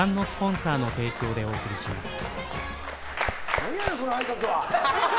何やねん、そのあいさつは。